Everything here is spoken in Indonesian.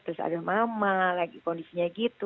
terus ada mama lagi kondisinya gitu